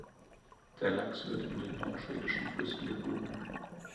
Der Lachs wird in den nordschwedischen Flüssen geboren.